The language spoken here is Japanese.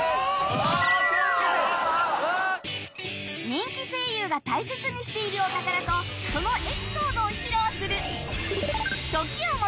人気声優が大切にしているお宝とそのエピソードを披露する